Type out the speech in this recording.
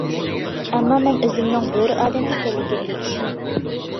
ئەمما مەن ئۆزۈمنىڭ بۆرە ئادەم ئىكەنلىكىمگە ئىشىنەتتىم.